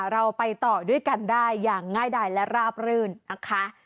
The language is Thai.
เราไปต่อด้วยกันได้อย่างง่ายดายและราบรื่นนะคะ